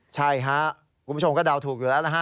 ใช่ครับคุณผู้ชมก็เดาถูกอยู่แล้วนะฮะ